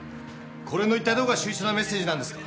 これの一体どこが秀逸なメッセージなんですか？